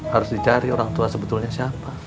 harus dicari orang tua sebetulnya siapa